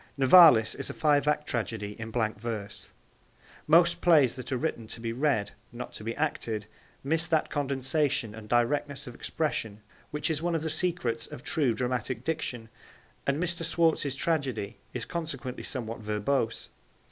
Nivalis is a five act tragedy in blank verse. Most plays that are written to be read, not to be acted, miss that condensation and directness of expression which is one of the secrets of true dramatic diction, and Mr. Schwartz's tragedy is consequently somewhat verbose.